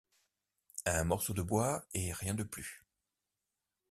Un morceau de bois, et rien de plus.